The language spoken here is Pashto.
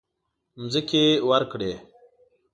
مځکې ورکړې.